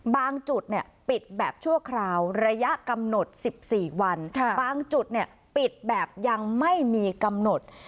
บางจุดเนี่ยปิดแบบชั่วคราวระยะกำหนดสิบสี่วันบางจุดเนี่ยปิดแบบยังไม่มีกำหนด